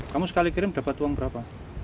kamu sekali kirim dapat uang berapa